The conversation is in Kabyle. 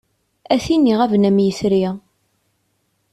A tin iɣaben am yitri.